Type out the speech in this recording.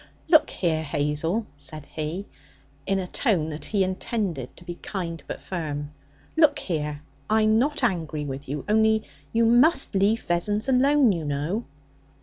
'Look here, Hazel,' said he, in a tone that he intended to be kind but firm 'look here: I'm not angry with you, only you must leave Vessons alone, you know.'